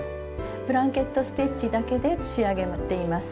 ブランケット・ステッチだけで仕上げています。